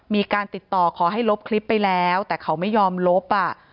มีการติดต่อขอให้ลบคลิปไปแล้วแต่เขาไม่ยอมลบอ่ะ